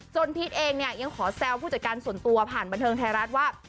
พีชเองเนี่ยยังขอแซวผู้จัดการส่วนตัวผ่านบันเทิงไทยรัฐว่า